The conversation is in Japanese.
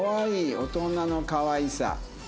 大人のかわいさ。